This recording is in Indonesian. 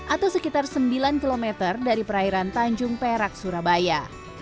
atau sekitar sembilan km dari perairan tanjung perak surabaya